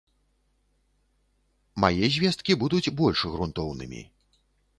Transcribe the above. Мае звесткі будуць больш грунтоўнымі.